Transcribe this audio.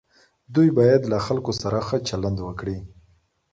دوی باید له خلکو سره ښه چلند وکړي.